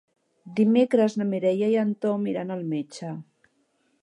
Dimecres na Mireia i en Tom iran al metge.